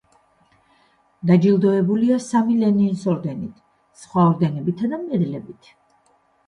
დაჯილდოებულია სამი ლენინის ორდენით, სხვა ორდენებითა და მედლებით.